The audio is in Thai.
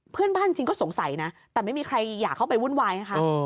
เพื่อนบ้านจริงก็สงสัยนะแต่ไม่มีใครอยากเข้าไปวุ่นวายนะคะ